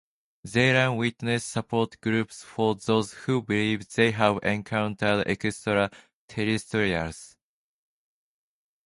They run witness support groups for those who believe they have encountered extra terrestrials.